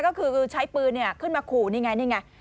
ก็คือใช้ปืนขึ้นมาขู่นี่ไงนี่ไง